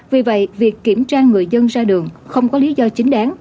vì vậy việc kiểm tra người dân ra đường không có lý do chính đáng